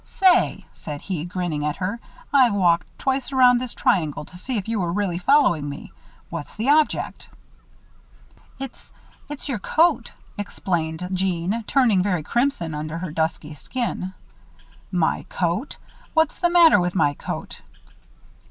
"Say," said he, grinning at her, "I've walked twice around this triangle to see if you were really following me. What's the object?" "It's it's your coat," explained Jeanne, turning very crimson under her dusky skin. "My coat! What's the matter with my coat?"